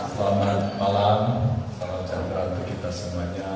selamat malam salam sejahtera untuk kita semuanya